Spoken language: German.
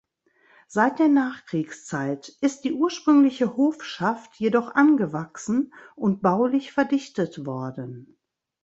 Seit der Nachkriegszeit ist die ursprüngliche Hofschaft jedoch angewachsen und baulich verdichtet worden.